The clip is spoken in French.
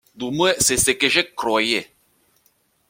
Du moins c’est ce que je croyais.